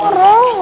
siapa yang dorong